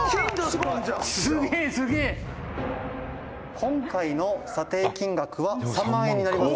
「今回の査定金額は３万円になります」